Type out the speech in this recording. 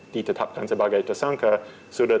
ditetapkan sebagai tersangka sudah